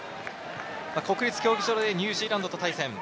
国立競技場でニュージーランドと対戦。